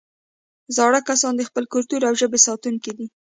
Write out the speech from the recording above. زاړه کسان د خپل کلتور او ژبې ساتونکي دي